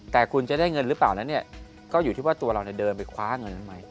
แต่คุณจะได้เงินหรือเปล่านั้นเนี่ยก็อยู่ที่ว่าตัวเราเดินไปคว้าเงินนั้นไหม